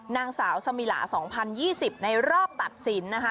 นางสาวสมิลา๒๐๒๐ในรอบตัดสินนะคะ